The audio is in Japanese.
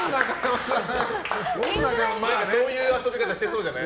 そういう遊び方してそうじゃない？